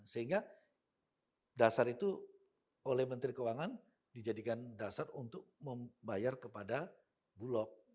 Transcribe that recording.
sehingga dasar itu oleh menteri keuangan dijadikan dasar untuk membayar kepada bulog